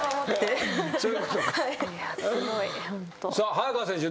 早川選手